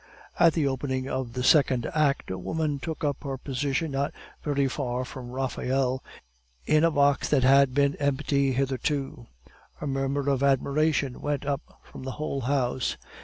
At the opening of the second act a woman took up her position not very far from Raphael, in a box that had been empty hitherto. A murmur of admiration went up from the whole house.